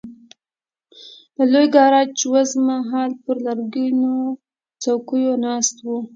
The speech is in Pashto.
د لوی ګاراج وزمه هال پر لرګینو څوکیو ناست وو.